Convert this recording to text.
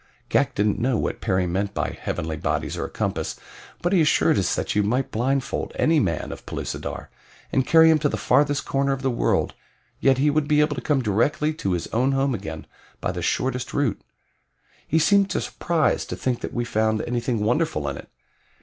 Ghak didn't know what Perry meant by heavenly bodies or a compass, but he assured us that you might blindfold any man of Pellucidar and carry him to the farthermost corner of the world, yet he would be able to come directly to his own home again by the shortest route. He seemed surprised to think that we found anything wonderful in it.